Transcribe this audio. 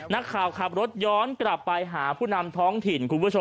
นักข่าวขับรถย้อนกลับไปหาผู้นำท้องถิ่นคุณผู้ชม